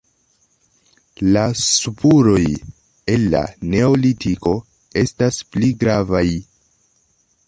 La spuroj el la neolitiko estas pli gravaj.